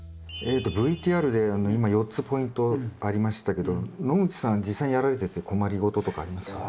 ＶＴＲで今４つポイントありましたけど野口さん実際にやられてて困り事とかありますか？